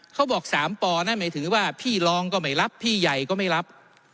เขาบอก๓ปนั่นหมายถึงว่าพี่รองก็ไม่รับพี่ใหญ่ก็ไม่รับ